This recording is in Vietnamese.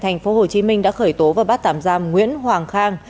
tp hcm đã khởi tố và bắt tạm giam nguyễn hoàng khang